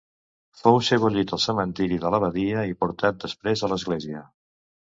Fou sebollit al cementiri de l'abadia, i portat després a l'església.